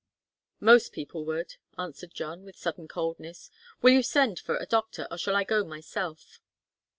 "Most people would," answered John, with sudden coldness. "Will you send for a doctor? Or shall I go myself?"